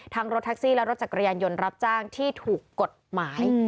รถแท็กซี่และรถจักรยานยนต์รับจ้างที่ถูกกฎหมาย